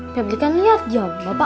tapi kan liat jam bapak enggak